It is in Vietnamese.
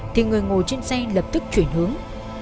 thì người ngồi trên xe lập tức chuyển hướng